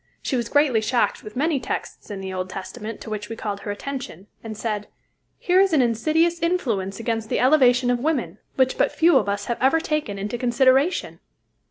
She was greatly shocked with many texts in the Old Testament, to which we called her attention, and said: "Here is an insidious influence against the elevation of women, which but few of us have ever taken into consideration."